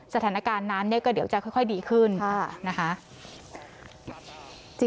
สถานการณ์น้ำเนี่ยก็เดี๋ยวจะค่อยดีขึ้นนะคะ